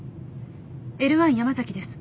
Ｌ１山崎です。